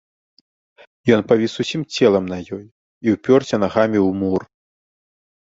Ён павіс усім целам на ёй і ўпёрся нагамі ў мур.